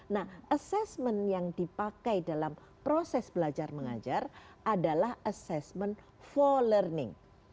nah assessment yang dipakai dalam proses belajar mengajar adalah assessment for learning